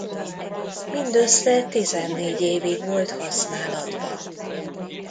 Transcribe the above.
Mindössze tizennégy évig volt használatban.